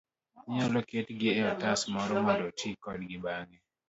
inyalo ketgi e otas moro mondo oti kodgi bang'e.